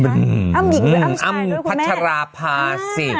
อ้ำหญิงหรืออ้ำชายด้วยคุณแม่อ้ำพัชรภาษิ